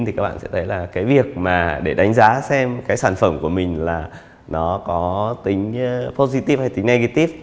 thì các bạn sẽ thấy là cái việc mà để đánh giá xem cái sản phẩm của mình là nó có tính fortiv hay tính nagitip